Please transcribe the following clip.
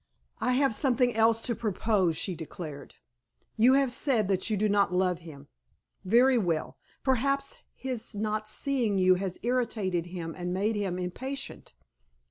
"I have something else to propose," she declared. "You have said that you do not love him. Very well. Perhaps his not seeing you has irritated him and made him impatient.